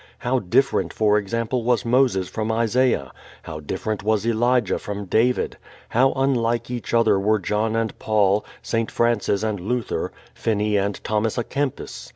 How different for example was Moses from Isaiah; how different was Elijah from David; how unlike each other were John and Paul, St. Francis and Luther, Finney and Thomas à Kempis.